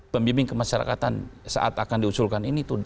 pembimbing kemasyarakatan saat akan diusulkan ini